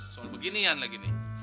soal beginian lagi nih